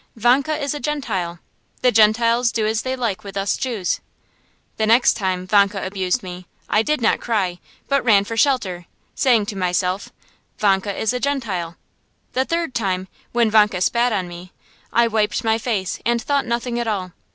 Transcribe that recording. Vanka is a Gentile. The Gentiles do as they like with us Jews." The next time Vanka abused me, I did not cry, but ran for shelter, saying to myself, "Vanka is a Gentile." The third time, when Vanka spat on me, I wiped my face and thought nothing at all.